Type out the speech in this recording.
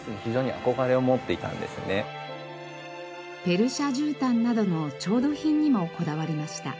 ペルシャ絨毯などの調度品にもこだわりました。